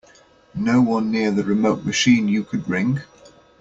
No one near the remote machine you could ring?